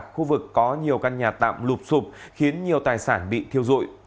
khu vực có nhiều căn nhà tạm lụp sụp khiến nhiều tài sản bị thiêu dụi